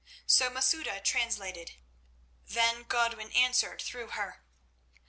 So Masouda translated. Then Godwin answered through her.